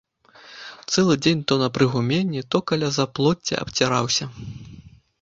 Цэлы дзень то на прыгуменні, то каля заплоцця абціраўся.